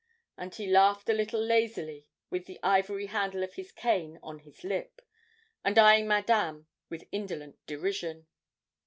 And he laughed a little lazily, with the ivory handle of his cane on his lip, and eyeing Madame with indolent derision.